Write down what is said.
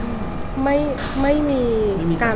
หรือว่าเขาได้เล่าปัญหาสมควรให้เขาฟัง